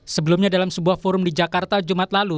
sebelumnya dalam sebuah forum di jakarta jumat lalu